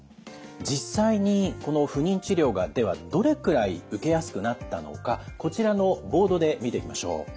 実際にこの不妊治療がではどれくらい受けやすくなったのかこちらのボードで見ていきましょう。